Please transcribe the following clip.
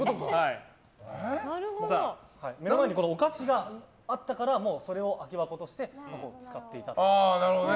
お菓子があったからそれを空き箱として使っていたと。